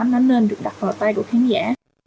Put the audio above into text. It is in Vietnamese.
nó nên được đặt vào tay của khán giả